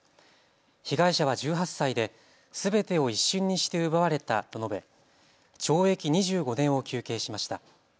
被害者は１８歳ですべてを一瞬にして奪われたと述べ、懲役２５年を求刑しました。